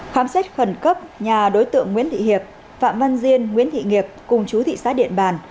khám xét khẩn cấp nhà đối tượng nguyễn thị hiệp phạm văn diên nguyễn thị nghiệp cùng chú thị xã điện bàn